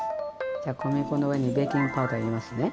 じゃあ小麦粉の上にベーキングパウダー入れますね。